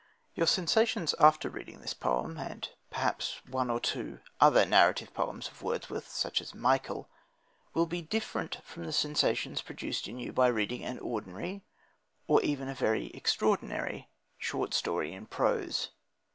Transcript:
Your sensations after reading this poem, and perhaps one or two other narrative poems of Wordsworth, such as Michael, will be different from the sensations produced in you by reading an ordinary, or even a very extraordinary, short story in prose.